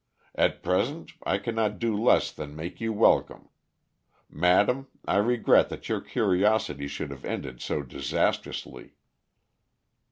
At present I cannot do less than make you welcome. Madame, I regret that your curiosity should have ended so disastrously."